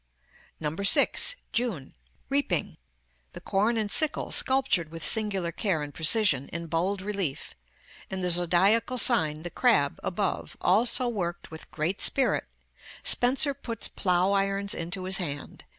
6. JUNE. Reaping. The corn and sickle sculptured with singular care and precision, in bold relief, and the zodiacal sign, the Crab, above, also worked with great spirit. Spenser puts plough irons into his hand.